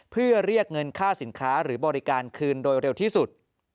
เพื่อเรียกเงินค่าสินค้าหรือบริการคืนโดยเร็วที่สุด